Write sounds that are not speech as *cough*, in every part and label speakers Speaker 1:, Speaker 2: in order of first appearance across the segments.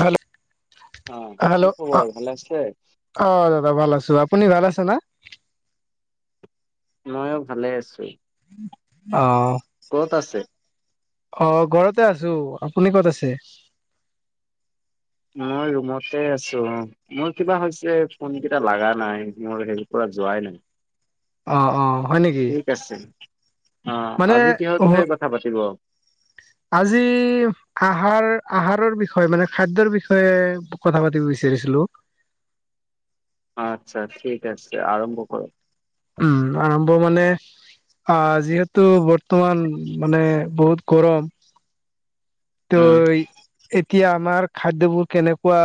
Speaker 1: Hello
Speaker 2: অ কি
Speaker 1: hello অ
Speaker 2: খবৰ ভালে আছে।
Speaker 1: অ দাদা ভাল আছো আপুনি ভাল আছে না।
Speaker 2: মইয়ো ভালে আছো।
Speaker 1: অ
Speaker 2: ক'ত আছে।
Speaker 1: অ ঘৰতে আছো আপুনি ক'ত আছে।
Speaker 2: মই ৰুমতে আছো অ মোৰ কিবা হৈছে ফোন কেইটা লগা নাই মোৰ হেৰি পৰা যোৱাই নাই।
Speaker 1: অ অ হয় নেকি
Speaker 2: ঠিক আছে অ
Speaker 1: মানে
Speaker 2: আজি কিহৰ
Speaker 1: অ
Speaker 2: বিষয়ে কথা পাতিব
Speaker 1: আজি আহাৰ আহাৰৰ বিষয়ে মানে খাদ্যৰ বিষয়ে কথা পাতিব বিচাৰিছিলো
Speaker 2: আচ্ছা ঠিক আছে আৰম্ভ কৰক
Speaker 1: উম আৰম্ভ মানে আ যিহেতু বৰ্তমান মানে বহুত গৰম
Speaker 2: উম
Speaker 1: তই এতিয়া আমাৰ খাদ্যবোৰ কেনেকুৱা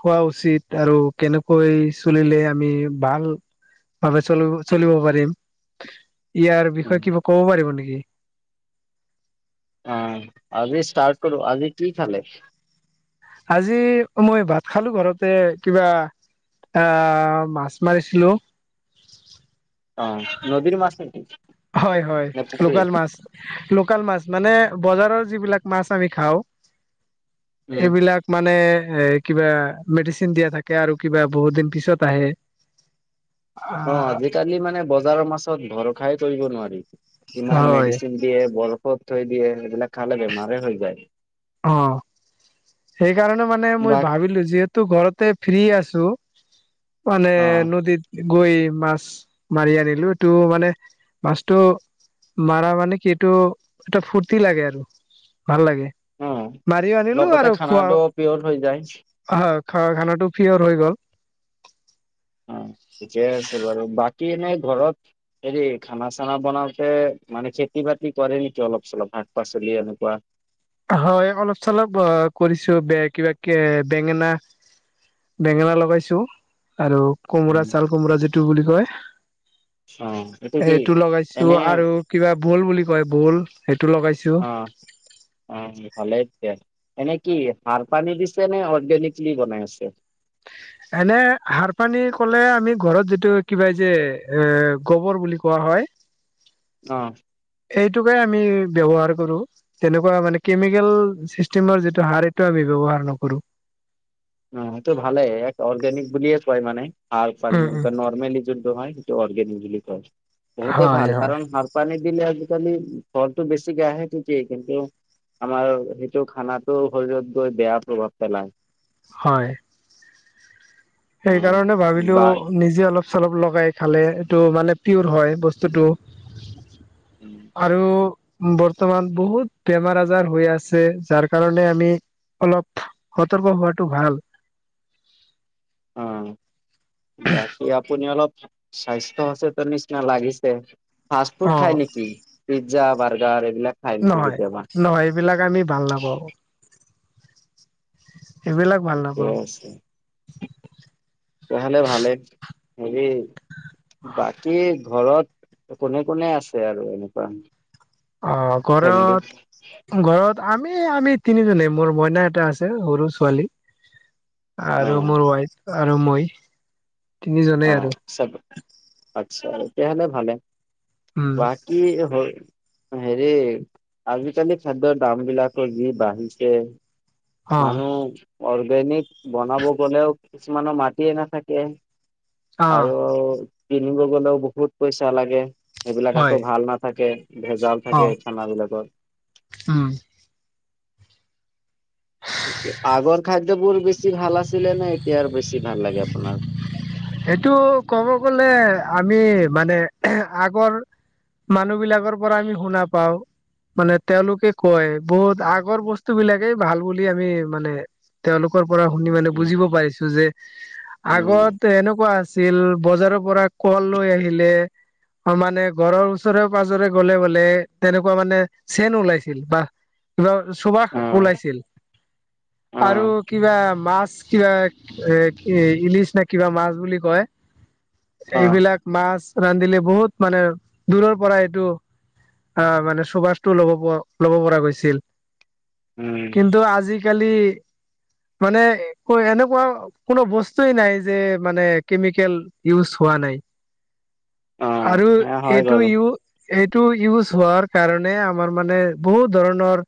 Speaker 1: খোৱা উচিত আৰু কেনেকৈ চুলিলে আমি ভাল। ভাৱে চল চলিব পাৰিম ইয়াৰ
Speaker 2: উম
Speaker 1: বিষয়ে কিবা ক'ব পাৰিব নেকি
Speaker 2: অ আজি ষ্টাৰ্ট কৰো আজি কি খালে।
Speaker 1: আজি মই ভাত খালো ঘৰতে কিবা আহ মাছ মাৰিছিলো
Speaker 2: অ নদীৰ মাছ নেকি
Speaker 1: হয় হয়
Speaker 2: নে পুখুৰীৰ?
Speaker 1: লোকেল মাছ। লোকেল মাছ মানে বজাৰৰ যিবিলাক মাছ আমি খাওঁ
Speaker 2: উম
Speaker 1: এইবিলাক মানে এ কিবা মেডিচিন দিয়া থাকে আৰু কিবা বহুত দিন পিছত আহে। *unintelligible*
Speaker 2: অ আজিকালি মানে বজাৰৰ মাছত ভৰসাই কৰিব নোৱাৰি কিমান
Speaker 1: হয়
Speaker 2: মেডিচিন দিয়ে বৰফত থৈ দিয়ে সেইবিলাক খালে বেমাৰেই হৈ যায়।
Speaker 1: অ সেইকাৰণে মানে মই
Speaker 2: বাক
Speaker 1: ভাবিলো যিহেতু তো ঘৰতে ফ্ৰী আছো মানে
Speaker 2: অ
Speaker 1: নদীত গৈ মাছ মাৰি আনিলো টো মানে মাছটো মাৰা মানে কি এইটো এটা ফূৰ্তি লাগে আৰু ভাল লাগে।
Speaker 2: অ',
Speaker 1: মাৰিও আনিলো
Speaker 2: লগতে
Speaker 1: আৰু খোৱা
Speaker 2: খানাটো পিয়ৰ হৈ যায়।
Speaker 1: হয় খোৱা খানাটো পিয়ৰ হৈ গ'ল।
Speaker 2: অ ঠিকেই আছে বাৰু বাকী এনেই ঘৰত হেৰি খানা চানা বনাওতে মানে খেতি বাতি কৰে নিকি অলপ চলপ শাক পাচলি এনেকুৱা
Speaker 1: হয় অলপ চলপ অ কৰিছো বে কিবা কে বেঙেনা বেঙেনা লগাইছো আৰু
Speaker 2: উম,
Speaker 1: কোমোৰা ছাল কোমোৰা যিটো বুলি কয়
Speaker 2: অ এইটো কি
Speaker 1: সেইটো লগাইছো
Speaker 2: এনে
Speaker 1: আৰু কিবা ভোল বুলি‍ কয় ভোল সেইটো লগাইছো
Speaker 2: অ', অ ভালে দিয়া এনে কি সাৰ পানী দিছে নে অৰ্গেনিকলি বনাই আছে
Speaker 1: এনে সাৰ পানী ক'লে আমি ঘৰত যিটো কিবা যে এ গোবৰ বুলি কোৱা হয়
Speaker 2: অ
Speaker 1: এইটোকে আমি ব্যৱহাৰ কৰো তেনেকুৱা মানে কেমিকেল চিষ্টেমৰ যিটো সাৰ সেইটো আমি ব্যৱহাৰ নকৰো
Speaker 2: অ সেইটো ভালে এক অৰ্গেনিক বুলিয়ে কয় মানে সাৰ পানী
Speaker 1: উম উম
Speaker 2: নৰ্মেলি যোন হয় সেইটো অৰ্গেনিক বুলি কয় বহুতে
Speaker 1: হয়
Speaker 2: ভাল
Speaker 1: হয়
Speaker 2: কাৰণ সাৰ পানী দিলে আজিকালি ফলটো বেছি কে আহে ঠিকেই কিন্তু আমাৰ সেইটো খানাটো শৰীৰত গৈ বেয়া প্ৰভাৱ পেলায়
Speaker 1: হয়
Speaker 2: উম
Speaker 1: সেইকাৰণে ভাবিলো
Speaker 2: বা
Speaker 1: নিজে অলপ চলপ লগাই খালে এইটো মানে পিয়ৰ হয় বস্তুটো আৰু বৰ্তমান বহুত বেমাৰ আজাৰ হৈ আছে যাৰ কাৰণে আমি অলপ সতৰ্ক হোৱাটো ভাল
Speaker 2: অ
Speaker 1: *unintelligible*
Speaker 2: বাকী আপুনি অলপ স্বাস্থ্য আছে তো নিচিনা লাগিছে ফাষ্ট ফুড
Speaker 1: অ
Speaker 2: খাই নিকি পিজ্জা বাৰ্গাৰ এইবিলাক খায় নেকি
Speaker 1: নহয়
Speaker 2: কেতিয়াবা
Speaker 1: নহয় এইবিলাক আমি ভাল নাপাওঁ এইবিলাক ভাল
Speaker 2: ঠিকে
Speaker 1: নাপাওঁ
Speaker 2: তেনেহলে ভালেই হেৰি বাকী ঘৰত কোনে কোনে আছে আৰু এনেকুৱা
Speaker 1: অ
Speaker 2: ফেমিলিত
Speaker 1: ঘৰত ঘৰত আমি আমি তিনিজনে মোৰ মইনা এটা আছে সৰু ছোৱালী
Speaker 2: অ
Speaker 1: আৰু মোৰ ৱাইফ আৰু মই
Speaker 2: অ
Speaker 1: তিনিজনেই আৰু
Speaker 2: চব আচ্ছা তেতিয়াহলে ভালে
Speaker 1: উম
Speaker 2: বাকী হ হেৰি আজিকালি খাদ্যৰ দাম বিলাকৰ যি বাঢ়িছে
Speaker 1: অ
Speaker 2: মানুহ অৰ্গেনিক বনাব গ'লেও কিছুমানৰ মাটিয়ে নাথাকে
Speaker 1: অ
Speaker 2: আৰু কিনিব গলেও বহুত পইচা লাগে সেইবিলাক
Speaker 1: হয়
Speaker 2: আকৌ ভাল নাথাকে ভেজাল
Speaker 1: অ
Speaker 2: থাকে খানা বিলাকত
Speaker 1: উম
Speaker 2: আগৰ খাদ্যবোৰ বেছি ভাল আছিলে নে এতিয়াৰ বেছি ভাল লাগে আপোনাৰ?
Speaker 1: সেটো ক'ব গলে আমি মানে আগৰ মানুহ বিলাকৰ পৰা আমি শুনা পাওঁ। মানে তেওঁলোকে কয় বহুত আগৰ বস্তু বিলাকেই ভাল বুলি আমি মানে তেওঁলোকৰ পৰা শুনি মানে
Speaker 2: উম,
Speaker 1: বুজিব পাৰিছোঁ যে।
Speaker 2: উম,
Speaker 1: আগত এনেকুৱা আছিল বজাৰৰ পৰা কল লৈ আহিলে। অ মানে ঘৰৰ ওচৰে পাজৰে গ'লে বোলে তেনেকুৱা মানে চেন ওলাইছিল বা চোবাখ
Speaker 2: উম,
Speaker 1: ওলাইছিল আৰু
Speaker 2: উম,
Speaker 1: কিবা মাছ কিবা এ কি ইলিচ নে কিবা মাছ বুলি কয়
Speaker 2: উম,
Speaker 1: এইবিলাক মাছ ৰান্ধিলে বহুত মানে দূৰৰ পৰা এইটো অ মানে চুবাষটো ল'ব ল'ব পৰা গৈছিল।
Speaker 2: উম।
Speaker 1: কিন্তু আজিকালি মানে এনেকুৱা কোনো বস্তুৱে নাই যে মানে কেমিকেল ইউজ হোৱা নাই।
Speaker 2: অ',
Speaker 1: আৰু
Speaker 2: সেয়া হয়
Speaker 1: এইটো
Speaker 2: বাৰু
Speaker 1: ইউ এইটো ইউজ হোৱাৰ কাৰণে আমাৰ মানে বহুত ধৰণৰ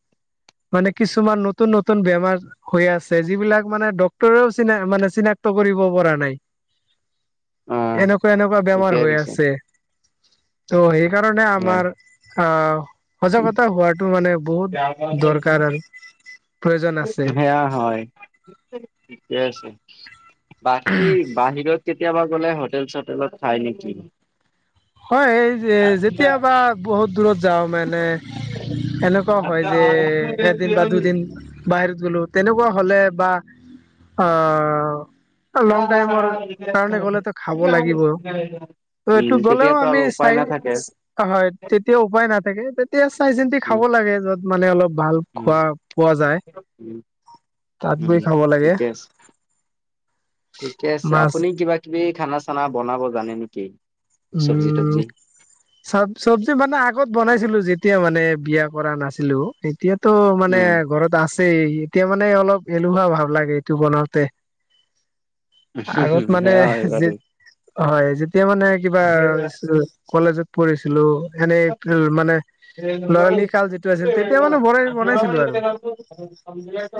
Speaker 1: মানে কিছুমান নতুন নতুন বেমাৰ হৈ আছে যিবিলাক মানে ডক্তৰেও চিনা মানে চিনাক্ত কৰিব পৰা নাই।
Speaker 2: অ',
Speaker 1: এনেকুৱা এনেকুৱা বেমাৰ
Speaker 2: ঠিকেই
Speaker 1: হৈ
Speaker 2: কৈছে
Speaker 1: আছে। ত' সেইকাৰণে আমাৰ আ সজাগতা হোৱা টো মানে বহুত দৰকাৰ আৰু প্ৰয়োজন আছে।
Speaker 2: সেয়া হয় ঠিকে আছে বাকী বাহিৰত- কেতিয়াবা গ'লে হোটেল চোটেলত খাই নেকি?
Speaker 1: হয় সেই যেতিয়াবা বহুত দূৰত যাওঁ মানে
Speaker 2: উম,
Speaker 1: এনেকু- ত হয় যে এদিন বা দুদিন বাহিৰত গ'লো তেনেকুৱা হ'লে বা অ লং টাইমৰ কাৰণে গ'লেতো খাব লাগিবও ত' এইটো গ'লেও
Speaker 2: তেতিয়াতো আৰু
Speaker 1: আমি
Speaker 2: উপায়
Speaker 1: চাই
Speaker 2: নাথাকে।
Speaker 1: হয় তেতিয়া উপায় নাথাকে। এতিয়া চাই চিন্তি
Speaker 2: উম,
Speaker 1: খাব লাগে য'ত মানে অলপ ভাল
Speaker 2: উম,
Speaker 1: খোৱা পোৱা যায়।
Speaker 2: উম,
Speaker 1: তাত
Speaker 2: উম,
Speaker 1: গৈ খাব লাগে।
Speaker 2: ঠিকে আছে। ঠিকে আছে
Speaker 1: মাছ
Speaker 2: আপুনি কিবা কিবি খানা চানা বনাব জানে নেকি চব্জি তবজি?
Speaker 1: চ চবজি মানে আগত বনাইছিলোঁ যেতিয়া মানে বিয়া কৰা নাছিলোঁ তেতিয়া ত মানে
Speaker 2: উম,
Speaker 1: ঘৰত আছেই এতিয়া মানে অলপ এলহোৱা ভাব লাগে এইটো বনাওতে। আগত মানে
Speaker 2: সেয়া হয়
Speaker 1: যে
Speaker 2: বাৰু।
Speaker 1: হয় যেতিয়া মানে কিবা কলেজত পঢ়িছিলোঁ। এনেই তোৰ মানে লৰালি কাল যিটো আছিল তেতিয়া মানে বনাই বনাইছিলোঁ আৰু।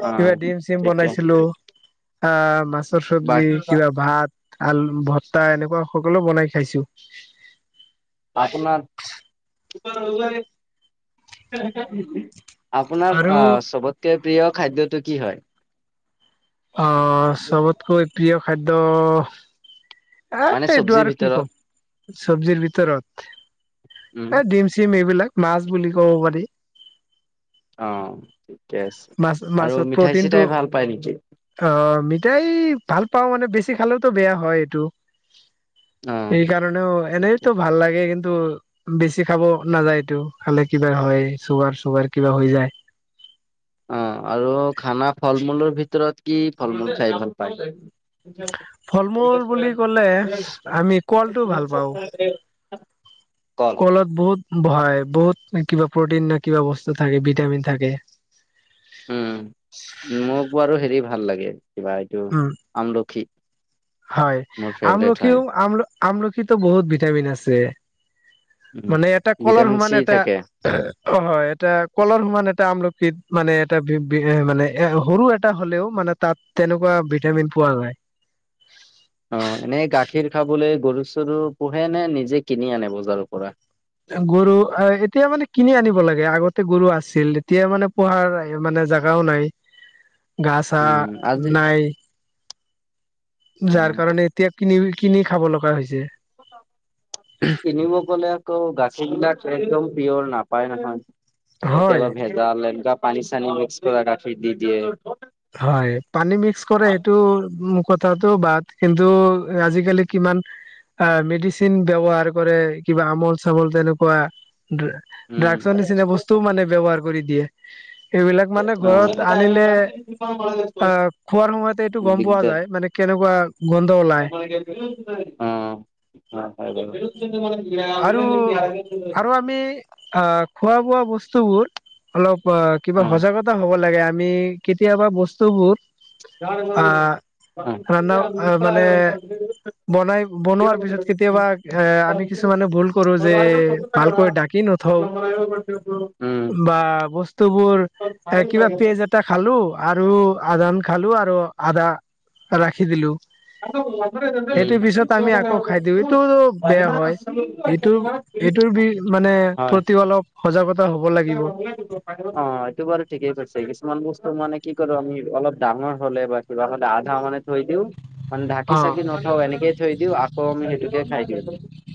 Speaker 2: অ',
Speaker 1: কিবা ডিম চিম
Speaker 2: ঠিকে।
Speaker 1: বনাইছিলোঁ আ মাছৰ চবজি
Speaker 2: বাকী
Speaker 1: কিবা ভাত। আলু ভত্তা এনেকুৱা সকলো বনাই খাইছোঁ।
Speaker 2: আপোনাৰ *unintelligible* আপোনাৰ
Speaker 1: আৰু
Speaker 2: আ চবতকে প্ৰিয় খাদ্যটো কি হয়?
Speaker 1: অ চবতকৈ প্ৰিয় খাদ্য। আ
Speaker 2: মানে
Speaker 1: এইটো
Speaker 2: চব্জিৰ
Speaker 1: আৰু কি
Speaker 2: ভিতৰত
Speaker 1: কম চব্জিৰ ভিতৰত।
Speaker 2: উম
Speaker 1: এ ডিম চিম এইবিলাক মাছ বুলি ক'ব পাৰি।
Speaker 2: অ ঠিকে আছে
Speaker 1: মাছ
Speaker 2: আৰু
Speaker 1: মাছত
Speaker 2: মিঠাই
Speaker 1: প্ৰটিনটো
Speaker 2: চিঠাই ভাল পায় নেকি?
Speaker 1: অ মিঠাই ভাল পাওঁ মানে বেছি খালেওতো বেয়া হয় এইটো।
Speaker 2: অ
Speaker 1: এই কাৰণেও
Speaker 2: ঠিকে।
Speaker 1: এনেইতো ভাল লাগে কিন্তু টো বেছি খাব নাযায় এইটো খালে কিবা হয় চুগাৰ চুগাৰ কিবা হৈ যায়।
Speaker 2: অ আৰু খানা ফল মূলৰ ভিতৰত কি ফল মূল খাই ভাল পায়?
Speaker 1: ফল মূল বুলি ক'লে আমি কলটো ভাল পাওঁ
Speaker 2: *unintelligible* *unintelligible*
Speaker 1: কলত বহুভয় বহুত কিবা প্ৰটিন না কিবা বস্তু থাকে ভিটামিন থাকে।
Speaker 2: উম মোক বাৰু হেৰি ভাল লাগে কিবা এইটো
Speaker 1: উম
Speaker 2: আমলখি।
Speaker 1: হয়
Speaker 2: মোৰ ফেভৰেট হয়
Speaker 1: আমলখিও আম আমলখিতো বহুত ভিটামিন আছে।
Speaker 2: উম।
Speaker 1: মানে এটা কল
Speaker 2: ভিটামিন
Speaker 1: সমান
Speaker 2: চি
Speaker 1: এটা
Speaker 2: থাকে
Speaker 1: অ হয় এটা কলৰ সমান এটা আমলখিত মানে এটা বি মানে এ সৰু এ টা হ'লেও মানে তাত তেনেকুৱা ভিটামিন পোৱা যায়।
Speaker 2: অ এনেই গাখীৰ খাবলৈ গৰু চৰু পোহে নে নিজে কিনি আনে বজাৰৰ পৰা।
Speaker 1: গৰু এতিয়া মানে কিনি আনিব লাগে আগতে গৰু আছিল এতিয়া মানে পোহাৰ মানে জেগাও নাই ঘাঁহ চা
Speaker 2: উম আজি
Speaker 1: নাই
Speaker 2: অ
Speaker 1: যাৰ কাৰণে এতিয়া কিনি কিনি খাব লগা হৈছে
Speaker 2: কিনিব গলে আকৌ গাখীৰ বিলাক একদম পিয়ৰ নাপায় নহয়
Speaker 1: হয়
Speaker 2: কেতিয়াবা ভেজ জাল একদম পানী চানি মিক্স কৰা গাখীৰ দি দিয়ে
Speaker 1: হয় পানী মিক্স কৰে সেইটোৰ কথাটো বাদ কিন্তু আজিকালি কিমান অ মেডিচিন ব্যৱহাৰ কৰে কিবা আমূল চামুল তেনেকুৱা ড্ৰাগছৰ নিচিনা বস্তুও মানে ব্যবহাৰ কৰি দিয়ে সেইবিলাক মানে ঘৰত আনিলে
Speaker 2: একদম মানে *unintelligible*
Speaker 1: অহ খোৱাৰ সময়তে এইটো গম পোৱা যায় মানে কেনেকুৱা গোন্ধ ওলাই
Speaker 2: উম
Speaker 1: আৰু আৰু
Speaker 2: *unintelligible*
Speaker 1: আমি অ খোৱা বোৱা বস্তু বোৰ অলপ অ কিবা সজাগতা হ'ব লাগে আমি কেতিয়াবা বস্তুবোৰ
Speaker 2: *unintelligible*
Speaker 1: আহ ৰান্ধা মানে বনাই বনোৱাৰ পিছত কেতিয়াবা এ আমি কিছুমানে ভুল কৰো যে ভালকৈ ঢাকি নথওঁ বা বস্তু বোৰ কিবা পেজত খালো আৰু আদান খালো আৰু আধা ৰাখি দিলোঁ সেইটো পিছত আমি আকৌ খাই দিওঁ এইটো বেয়া হয় এইটো এইটোৰ বি মানে প্ৰতিও অলপ সজাগতা হ'ব লাগে
Speaker 2: তাত ৰঙালাও দিব অ এইটো বাৰু ঠিকেই কৈছে কিছুমান বস্তু মানে কি কৰো আমি অলপ ডাঙৰ হ'লে বা কিবা হলে আধা মানে থৈ দিওঁ মানে ঢাকি
Speaker 1: অ',
Speaker 2: চাকি নথও এনেকে থৈ দিও আকৌ সেইটোকে খাই দিওঁ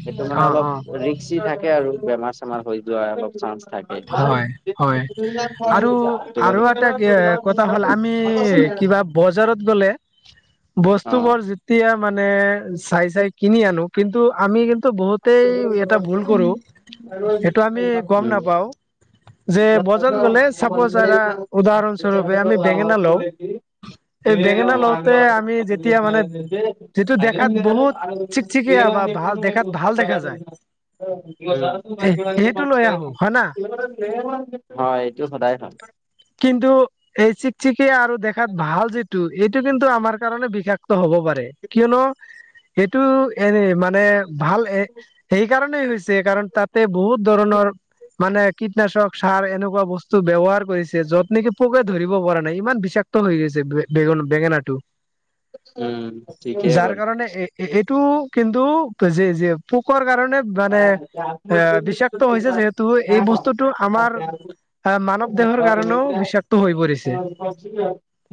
Speaker 2: সেইটো মানে
Speaker 1: অ',
Speaker 2: অলপ
Speaker 1: অ',
Speaker 2: ৰিক্সি থাকে আৰু বেমাৰ চেমাৰ হৈ যোৱা অলপ চান্স থাকে উম,
Speaker 1: হয় হয় আৰু
Speaker 2: এইটো
Speaker 1: আৰু এটা কথা হ'ল আমি কিবা বজাৰত গ'লে বস্তু বোৰ যেতিয়া মানে চাই চাই কিনি আনো কিন্তু আমি কিন্তু বহুত তেই এটা ভুল
Speaker 2: বাৰু
Speaker 1: কৰো
Speaker 2: ঠিকেই। অ।
Speaker 1: সেইটো আমি গম নাপাও যে বজাৰত গ'লে চাপ'জ
Speaker 2: মন্দ
Speaker 1: এটা
Speaker 2: চ
Speaker 1: উদাহৰণস্বৰূপে আমি বেঙেনা
Speaker 2: লাভটো
Speaker 1: লওঁ
Speaker 2: দেখি *unintelligible*
Speaker 1: এই বেঙেনা লওঁতে আমি যেতিয়া মানে যিটো দেখাত বহুত চিকচিকিয়া বা
Speaker 2: *unintelligible*
Speaker 1: ভাল
Speaker 2: *unintelligible*
Speaker 1: দেখাত ভাল দেখা যায়
Speaker 2: বজাৰতো
Speaker 1: এ সেইটো
Speaker 2: মাইকীমানুহক
Speaker 1: লৈ
Speaker 2: চাই
Speaker 1: আহো হয় না
Speaker 2: হয় এইটো সদায় হয়
Speaker 1: কিন্তু এই চিকচিকিয়া আৰু দেখাত ভাল যিটো এইটো কিন্তু আমাৰ কাৰণে বিষাক্ত হ'ব পাৰে কিয়নো সেইটো এনে মানে ভাল এ সেইকাৰণেই হৈছে সেই কাৰণে তাতে বহুত ধৰণৰ মানে কীটনাশক সাৰ এনেকুৱা বস্তু ব্যৱহাৰ কৰিছে যত নেকি পোকে ধৰিব পৰা নাই ইমান বিষাক্ত হৈ গৈছে বেঙ বেঙেনাটো
Speaker 2: উম ঠিকেই
Speaker 1: যাৰ
Speaker 2: বাৰু।
Speaker 1: কাৰণে এই এইটো কিন্তু যে যে পোকৰ কাৰণে মানে এ বিষাক্ত হৈছে যিহেতু এই বস্তুটো আমাৰ মানৱ দেহৰ কাৰণেও বিষাক্ত হৈ পৰিছে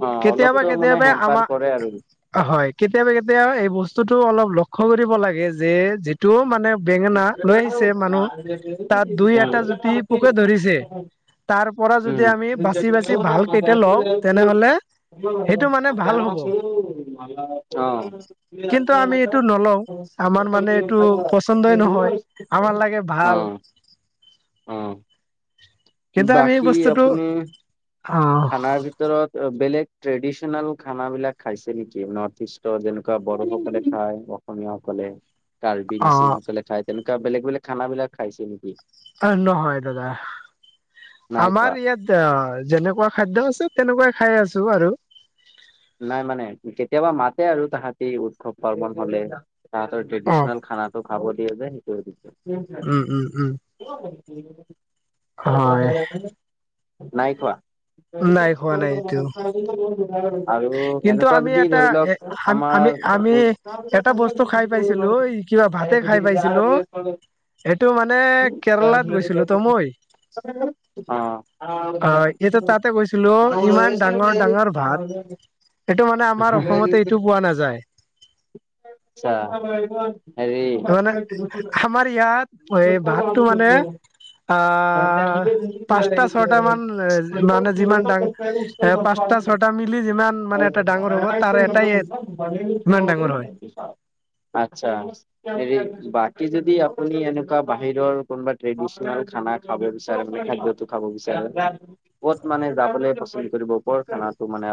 Speaker 2: অ
Speaker 1: কেতিয়াবা
Speaker 2: অলপতো মানে
Speaker 1: কেতিয়াবা
Speaker 2: হেম্পাৰ কৰে আৰু
Speaker 1: আমাৰ হয় কেতিয়াবা কেতিয়াবা এই বস্তুতো অলপ লক্ষ্য কৰিব লাগে যে, যেত- টো মানে
Speaker 2: অ
Speaker 1: বেঙেনা লৈ
Speaker 2: অ
Speaker 1: আহিছে মানুহ, তাত দুই এটা জুতি পোকে ধৰিছে। তাৰ পৰা যদি আমি বাচি বাচি ভাল কেইটা লওঁ তেনেহলে সেইটো মানে ভাল হ'ব কিন্তু আমি
Speaker 2: অ
Speaker 1: এইটো নলওঁ আমাৰ মানে এইটো পচন্দই নহয় আমাৰ লাগে ভাল
Speaker 2: অ অ
Speaker 1: কিন্তু আমি এই
Speaker 2: বাকী
Speaker 1: বস্তুটো
Speaker 2: আপুনি
Speaker 1: অ
Speaker 2: খানাৰ ভি ভিতৰত বেলেগ ট্ৰেডিচনেল খানাবিলাক খাইছে নেকি নৰ্থ ইষ্টৰ যেনেকুৱা বড়োসকলে খায় অসমীয়াসকলে, কাৰ্বি, মিচিংসকলে খায় তেনেকুৱা বেলেগ বেলেগ খানাবিলাক খাইছে নেকি
Speaker 1: আৰে নহয় দাদা
Speaker 2: নাই খোৱা
Speaker 1: আমাৰ ইয়াত এ যেনেকুৱা খাদ্য আছে তেনেকুৱাই খাই আছো আৰু
Speaker 2: নাই মানে কেতিয়াবা মাতে আৰু তাহাঁতি উৎসৱ পাৰ্বন হ'লে। তাহতৰ
Speaker 1: অ',
Speaker 2: ট্ৰেডিচনেল খানাটো খাব দিয়া যে
Speaker 1: উম, উম, উম।
Speaker 2: সেইটো
Speaker 1: হয়,
Speaker 2: *unintelligible* *unintelligible* নাই খোৱা
Speaker 1: নাই খোৱা নাই এইটো
Speaker 2: *unintelligible* আৰু
Speaker 1: কিন্তু
Speaker 2: এনেকুৱা
Speaker 1: আমি
Speaker 2: যদি
Speaker 1: এটা
Speaker 2: ধৰি
Speaker 1: এ
Speaker 2: লওক
Speaker 1: আমি আমি এটা বস্তু খাই পাইছিলো কিবা ভাতে খাই পাইছিলো
Speaker 2: আমাৰ *unintelligible* *unintelligible*
Speaker 1: এইটো মানে কেৰেলাত গৈছিলো তো মই। অ এইটো তাতে গৈছিলো ইমান ডাঙৰ ডাঙৰ ভাত। সেইটো মানে আমাৰ অসমতে এইটো পোৱা নাযায়
Speaker 2: আচ্ছা
Speaker 1: মানে
Speaker 2: হেৰি
Speaker 1: আমাৰ ইয়াত এই ভাতটো মানে আহ পাঁচটা ছয়টা মান মানে যিমান দাং- এ পাঁচটা ছয়টা মিলি যিমান মানে এটা ডাঙৰ হ'ব তাৰ এটাই ইমান ডাঙৰ হয়।
Speaker 2: *unintelligible* আচ্ছা হেৰি বাকী যদি আপুনি এনেকুৱা বাহিৰৰ কোনোবা ট্ৰেডিচনেল খানাক খাব বিচাৰে মানে খাদ্যটো খাব বিচাৰে। ক'ত মানে যাবলৈ পচন্দ কৰিব, কৰ খোনাতো মানে